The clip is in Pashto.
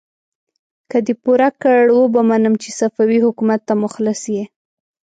که دې پوره کړ، وبه منم چې صفوي حکومت ته مخلص يې!